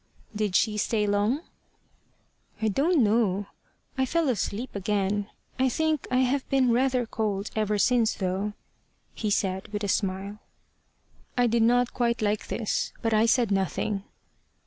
"Did she stay long?" "I don't know. I fell asleep again. I think I have been rather cold ever since though," he added with a smile. I did not quite like this, but I said nothing.